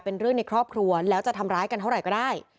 เป็นเรื่องในครอบครัวแล้วจะทำร้ายกันเท่าไหร่ก็ได้